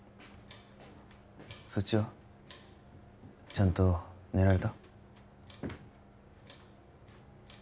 そっちは？ちゃんと寝られた？